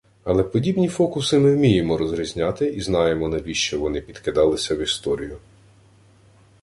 Але подібні фокуси ми вміємо розрізняти, і знаємо, навіщо вони підкидалися в історію